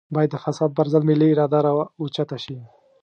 بايد د فساد پر ضد ملي اراده راوچته شي.